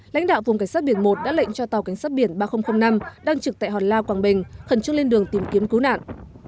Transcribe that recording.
lãnh đạo vùng cảnh sát biển một đã lệnh cho tàu cảnh sát biển ba nghìn năm đang trực tại hòn la quảng bình khẩn trúc lên đường tìm kiếm cứu nạn